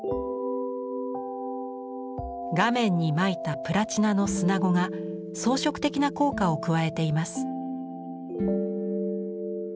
画面にまいたプラチナの砂子が装飾的な効果を加えています。